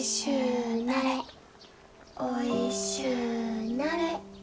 おいしゅうなれ。